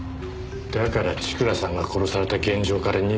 だから千倉さんが殺された現場から逃げたのか。